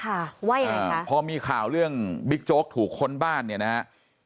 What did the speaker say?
ว่ายังไงคะพอมีข่าวเรื่องบิ๊กโจ๊กถูกค้นบ้านเนี่ยนะฮะ